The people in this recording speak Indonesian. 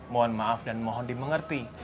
mohon maaf dan mohon dimengerti